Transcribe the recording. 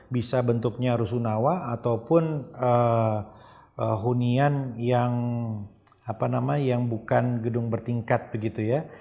bisa bentuknya rusunawa ataupun hunian yang bukan gedung bertingkat begitu ya